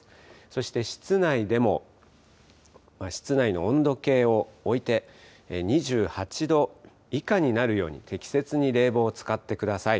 そして室内でも、室内の温度計を置いて、２８度以下になるように、適切に冷房を使ってください。